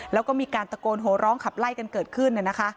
แล้วก็มีการตะโกนโหร้องขับไล่กันเกิดขึ้น